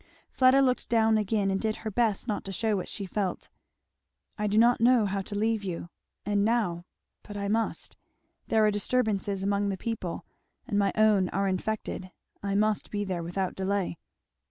Fleda looked down again and did her best not to shew what she felt. "I do not know how to leave you and now but I must. There are disturbances among the people, and my own are infected. I must be there without delay."